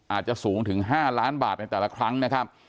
อาจจะสูงถึง๕ล้านบาทในแต่ละครั้งนะครับ